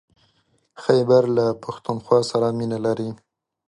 خيبر له پښتونخوا سره مينه لري.